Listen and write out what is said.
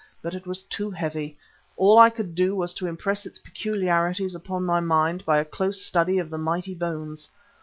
But it was too heavy; all I could do was to impress its peculiarities upon my mind by a close study of the mighty bones.